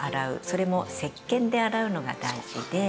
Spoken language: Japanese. それも石鹸で洗うのが大事で。